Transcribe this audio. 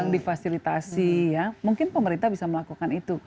difasilitasi mungkin pemerintah bisa melakukan itu